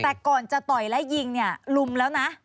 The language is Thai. แต่ก่อนจะต่อยและยิงเนี่ยลุมแล้วนะ